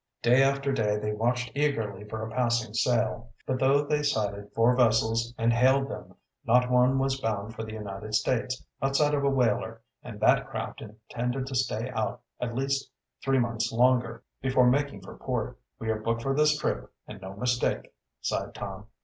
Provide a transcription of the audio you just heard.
Day after day they watched eagerly for a passing sail. But though they sighted four vessels and hailed them, not one was bound for the United States, outside of a whaler, and that craft intended to stay out at least three months longer before making for port. "We are booked for this trip, and no mistake," sighed Tom.